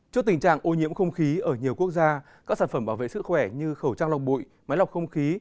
trước tình trạng ô nhiễm không khí ở nhiều quốc gia các sản phẩm bảo vệ sức khỏe như khẩu trang lọc bụi máy lọc không khí